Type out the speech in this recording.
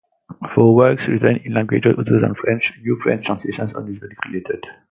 For works written in languages other than French, new French translations are usually created.